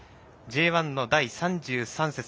Ｊ１の第３３節。